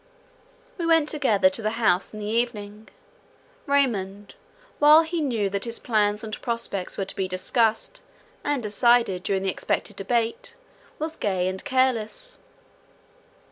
We went together to the House in the evening. Raymond, while he knew that his plans and prospects were to be discussed and decided during the expected debate, was gay and careless.